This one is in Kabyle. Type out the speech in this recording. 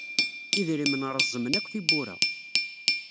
Idrimen reẓẓmen akk tiwwura.